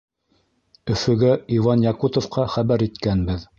— Өфөгә Иван Якутовҡа хәбәр иткәнбеҙ.